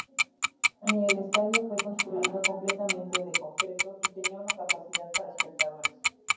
El Estadio fue construido completamente de concreto, y tenía una capacidad para espectadores.